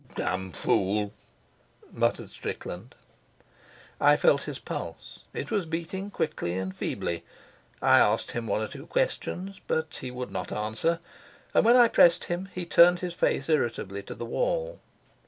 "Damned fool," muttered Strickland. I felt his pulse. It was beating quickly and feebly. I asked him one or two questions, but he would not answer, and when I pressed him he turned his face irritably to the wall.